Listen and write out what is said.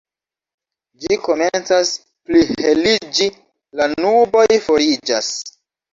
Ĝi komencas pliheliĝi, la nuboj foriĝas.